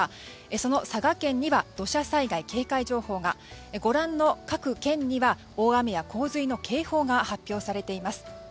その佐賀県には土砂災害警戒情報がご覧の各県には大雨や洪水の警報が発表されています。